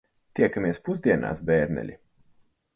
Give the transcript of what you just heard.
Tiekamies pusdienās, bērneļi.